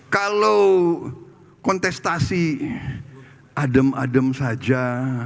kalau kontestasi adem adem saja